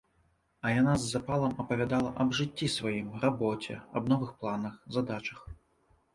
А яна з запалам апавядала аб жыцці сваім, рабоце, аб новых планах, задачах.